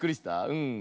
うん。